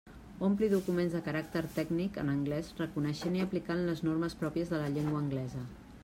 Ompli documents de caràcter tècnic en anglés reconeixent i aplicant les normes pròpies de la llengua anglesa.